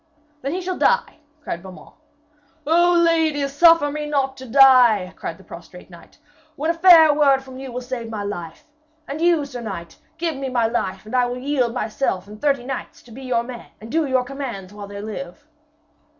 'Then he shall die!' cried Beaumains. 'O lady, suffer me not to die!' cried the prostrate knight, 'when a fair word from you will save my life. And you, sir knight, give me my life, and I will yield myself and thirty knights to be your men and do your commands while they live.'